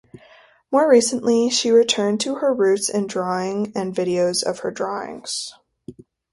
More recently she returns to her roots in drawing and videos of her drawings.